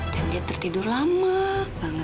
dan dia tertidur lama banget